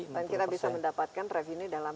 enam puluh persen dan kita bisa mendapatkan revenue dalam